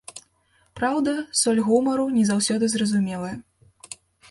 Праўда, соль гумару не заўсёды зразумелая.